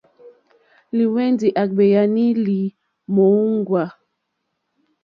Lìhwɛ̀ndì á gbēánì lì mòóŋwà.